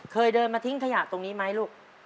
เคยเดินมาทิ้งขยะตรงนี้ไหมลูก